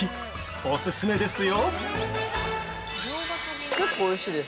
オススメですよ！